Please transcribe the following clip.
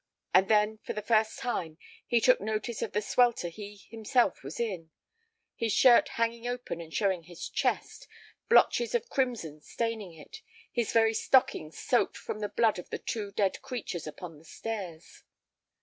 And then, for the first time, he took notice of the swelter he himself was in, his shirt hanging open and showing his chest, blotches of crimson staining it, his very stockings soaked from the blood of the two dead creatures upon the stairs.